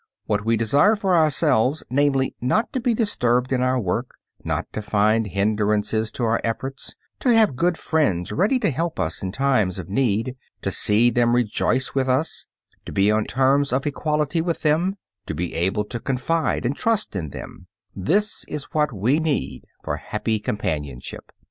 What we all desire for ourselves, namely, not to be disturbed in our work, not to find hindrances to our efforts, to have good friends ready to help us in times of need, to see them rejoice with us, to be on terms of equality with them, to be able to confide and trust in them this is what we need for happy companionship.